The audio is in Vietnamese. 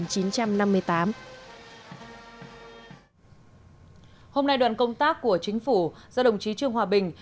hôm nay đoàn công tác của chính phủ do đồng chí trương hòa bình